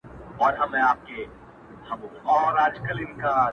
• زه هم دعاوي هر ماښام كومه؛